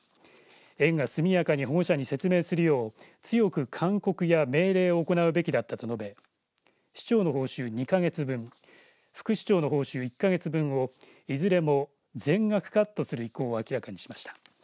園が速やかに保護者に説明するよう強く勧告や命令を行うべきだったと述べ市長の報酬２か月分副市長の報酬１か月分をいずれも全額カットする意向を明らかにしました。